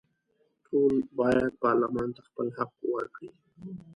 ټول باید پارلمان ته خپل حق ورکړي.